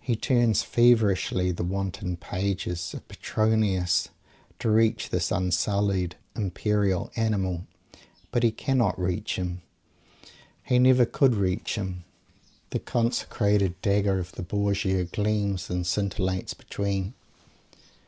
He turns feverishly the wanton pages of Petronius to reach this unsullied, "imperial" Animal. But he cannot reach him. He never could reach him. The "consecrated" dagger of the Borgia gleams and scintillates between.